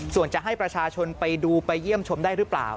ส่วนจะให้ประชาชนไปดูไปเยี่ยมชมได้หรือเปล่า